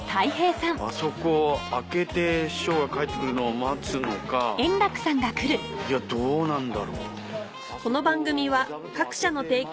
あそこを空けて師匠が帰って来るのを待つのかいやどうなんだろう？